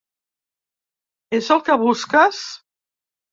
És el que busques?